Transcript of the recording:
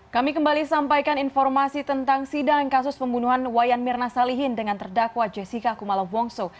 kami kembali sampaikan informasi tentang sidang kasus pembunuhan wayan mirna salihin dengan terdakwa jessica kumalo wongso